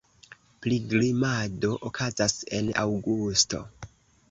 Pilgrimado okazas en aŭgusto.